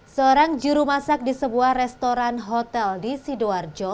seorang juru masak di sebuah restoran hotel di sidoarjo